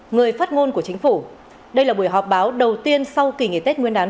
người phát ngôn của chính phủ đây là buổi họp báo đầu tiên sau kỳ nghỉ tết nguyên đán